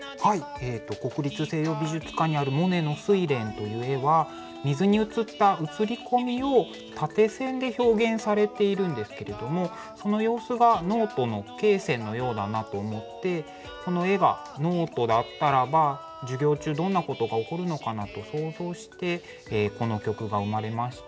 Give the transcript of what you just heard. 国立西洋美術館にあるモネの「睡蓮」という絵は水に映った映り込みを縦線で表現されているんですけどもその様子がノートの罫線のようだなと思ってこの絵がノートだったらば授業中どんなことが起こるのかなと想像してこの曲が生まれました。